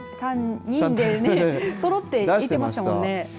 ３人でねそろって言ってましたもんね。